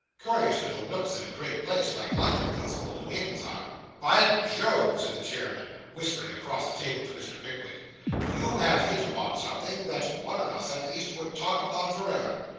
Curious little nooks in a great place, like London, these old inns are.' 'By Jove!' said the chairman, whispering across the table to Mr. Pickwick, 'you have hit upon something that one of us, at least, would talk upon for ever.